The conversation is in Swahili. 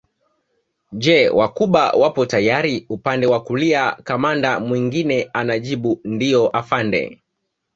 Je Wacuba wapo tayari upande wa kulia kamanda mwingine anajibu ndio afande